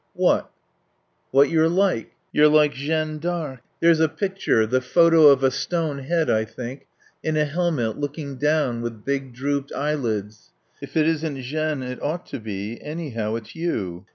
"What?" "What you're like. You're like Jeanne d'Arc.... There's a picture the photo of a stone head, I think in a helmet, looking down, with big drooped eyelids. If it isn't Jeanne it ought to be. Anyhow it's you....